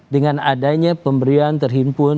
dengan adanya pemberian terhimpun